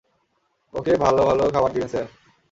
ওকে ভালো-ভালো খাবার দিবেন স্যার।